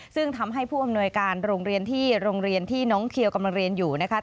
ซึ่งทำให้ผู้อำนวยการโรงเรียนที่โรงเรียนที่น้องเคียวกำลังเรียนอยู่นะคะ